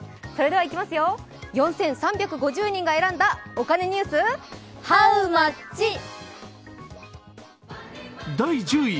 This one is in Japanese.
それではいきますよ、４３５０人が選んだお金ニュース、ハウマッチ！